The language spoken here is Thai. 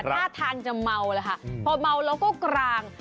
ท่าทางจะเมาแล้วค่ะพอเมาแล้วก็กลาง